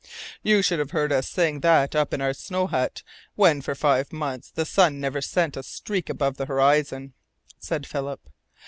"You should have heard us sing that up in our snow hut, when for five months the sun never sent a streak above the horizon," said Philip.